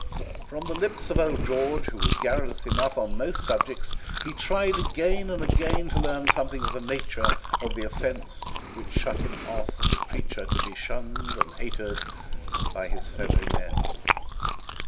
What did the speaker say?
From the lips of old George, who was garrulous enough on most subjects, he tried again and again to learn something of the nature of the offence which shut him off as a creature to be shunned and hated by his fellow men.